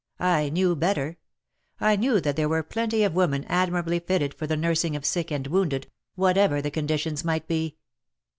I knew better. I knew that there were plenty of women admir ably fitted for the nursing of sick and wounded, whatever the conditions might be.